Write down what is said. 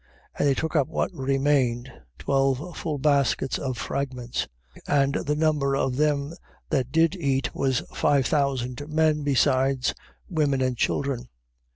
And they took up what remained, twelve full baskets of fragments. 14:21. And the number of them that did eat, was five thousand men, besides women and children.